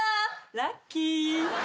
ラッキー。